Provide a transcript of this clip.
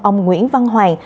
ông nguyễn văn hoàng